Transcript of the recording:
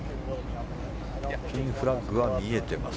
ピンフラッグは見えています。